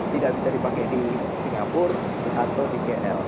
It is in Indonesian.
tidak bisa dipakai di singapura atau di gl